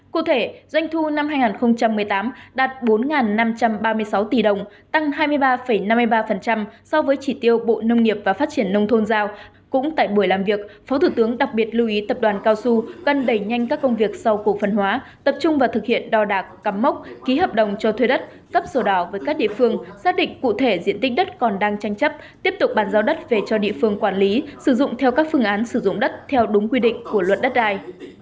cụ thể doanh thu năm hai nghìn một mươi tám đạt bốn năm trăm ba mươi sáu tỷ đồng tăng hai mươi ba năm mươi ba so với chỉ tiêu bộ nông nghiệp và phát triển nông thôn giao cũng tại buổi làm việc phó thủ tướng đặc biệt lưu ý tập đoàn cao su cần đẩy nhanh các công việc sau cổ phần hóa tập trung và thực hiện đò đạc cắm mốc ký hợp đồng cho thuê đất cấp sổ đảo với các địa phương xác định cụ thể diện tích đất còn đang tranh chấp tiếp tục bàn giao đất về cho địa phương quản lý sử dụng theo các phương án sử dụng đất theo đúng quy định của luật đất đai